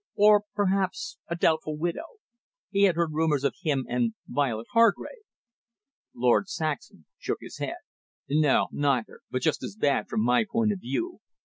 "Or, perhaps, a doubtful widow?" He had heard rumours of him and Violet Hargrave. Lord Saxham shook his head. "No, neither; but just as bad from my point of view.